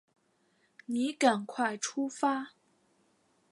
你赶快出发